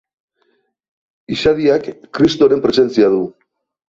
Izadiak kristoren presentzia du.